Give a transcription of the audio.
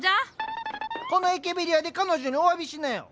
このエケベリアで彼女におわびしなよ。